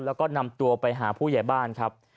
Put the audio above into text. แล้วก็นำตัวไปหาผู้ใหญ่บ้านครับ